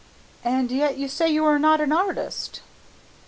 "And yet you say you are not an artist."